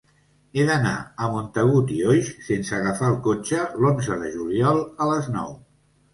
He d'anar a Montagut i Oix sense agafar el cotxe l'onze de juliol a les nou.